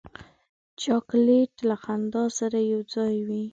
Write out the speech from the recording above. چاکلېټ له خندا سره یو ځای وي.